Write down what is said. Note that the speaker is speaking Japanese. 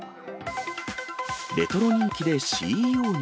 レトロ人気でＣＥＯに。